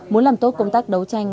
muốn làm tốt công tác đấu tranh